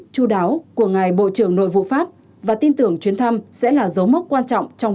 chú đáo của ngài bộ trưởng nội vụ pháp và tin tưởng chuyến thăm sẽ là dấu mốc quan trọng trong